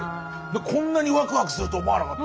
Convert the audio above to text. こんなにわくわくすると思わなかった。